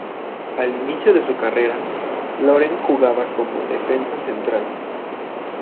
Al inicio de su carrera, Loren jugaba como defensa central.